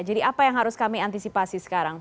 jadi apa yang harus kami antisipasi sekarang